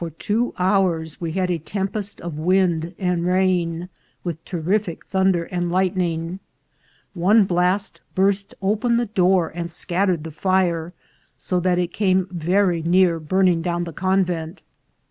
— 3 A 370 INCIDENTS OF TRAVEL. hours we had a tempest of wind and rain, with terrific thunder and lightning. One blast burst open the door and scattered the fire, so that it came very near burn ing down the convent.